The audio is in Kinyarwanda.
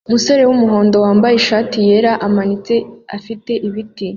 Umusore wumuhondo wambaye ishati yera amanitse afite ibiti